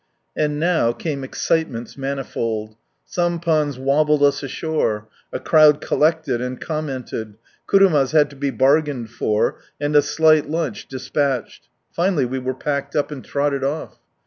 And now came excitements manifold. Sampans wobbled us ashore. A crowd collected and commented. Kurumas had to be bargained for, and a slight lunch despatched. Finally we were packed up, and trotted off.